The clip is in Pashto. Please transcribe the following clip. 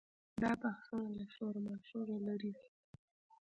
دا بحثونه له شورماشوره لرې وي.